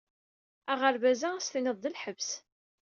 Aɣerbaz-a ad s-tiniḍ d lḥebs.